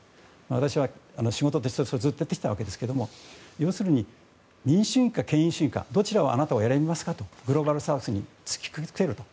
私は仕事でずっとそれをやってきたわけですが要するに、民主主義か権威主義かどちらをあなたは選びますかとグローバルサウスに突きつける。